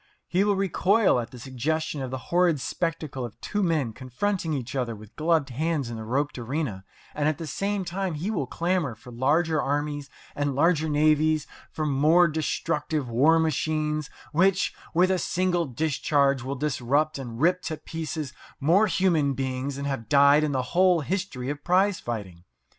He will recoil at the suggestion of the horrid spectacle of two men confronting each other with gloved hands in the roped arena, and at the same time he will clamour for larger armies and larger navies, for more destructive war machines, which, with a single discharge, will disrupt and rip to pieces more human beings than have died in the whole history of prize fighting.